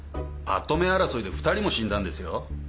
跡目争いで２人も死んだんですよ？